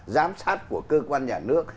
giám sát của cơ quan nhà nước